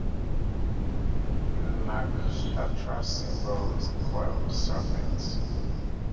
The nakshatra's symbol is a coiled serpent.